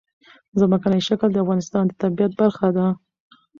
ځمکنی شکل د افغانستان د طبیعت برخه ده.